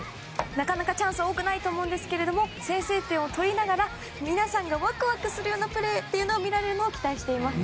なかなかチャンスは多くないと思うんですけれども先制点を取りながら皆さんがワクワクするようなプレーというのを見られるのを期待しています。